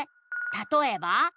「たとえば？」